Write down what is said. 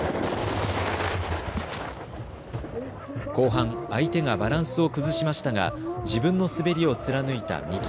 後半、相手がバランスを崩しましたが自分の滑りを貫いた三木。